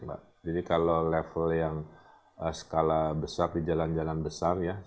jadi kalau level yang skala besar di jalan jalan besar